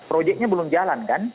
proyeknya belum jalan kan